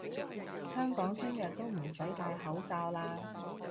香港聽日都唔使戴口罩嘞！